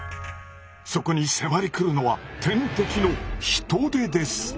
そこに迫り来るのは天敵のヒトデです！